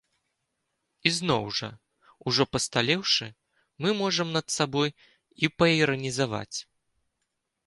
Ізноў жа, ужо пасталеўшы, мы можам над сабой і паіранізаваць.